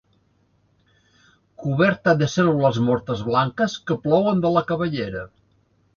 Coberta de cèl·lules mortes, blanques, que plouen de la cabellera.